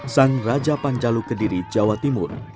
sang raja panjalu kediri jawa timur